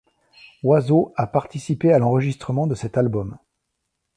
Oizo, a participé à l'enregistrement de cet album.